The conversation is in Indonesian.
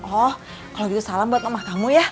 oh kalau gitu salam buat rumah kamu ya